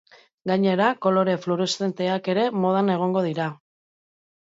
Gainera, kolore fluoreszenteak ere modan egongo dira.